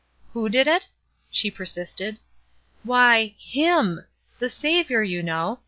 ''Who did it?" she persisted. "Why, HIM; the Saviour, you know.